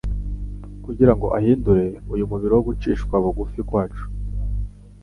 kugira ngo ahindure "uyu mubiri wo gucishwa bugufi kwacu."